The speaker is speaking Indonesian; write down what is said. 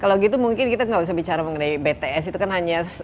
kalau gitu mungkin kita nggak usah bicara mengenai bts itu kan hanya